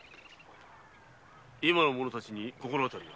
今の者たちに心当たりは？